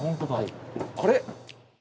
あれ？